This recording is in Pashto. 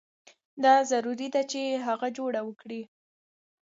دا ضروري ده چې هغه جوړه وکړي.